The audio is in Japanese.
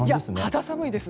肌寒いです。